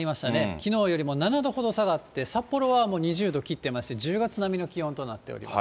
きのうよりも７度ほど下がって、札幌はもう２０度切ってまして、１０月並みの気温となっております。